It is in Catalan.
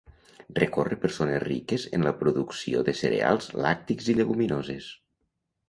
Recorre per zones riques en la producció de cereals, làctics i lleguminoses.